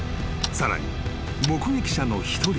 さらに目撃者の一人］